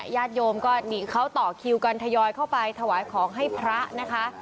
ญาติโยมก็นี่เขาต่อคิวกันทยอยเข้าไปถวายของให้พระนะคะ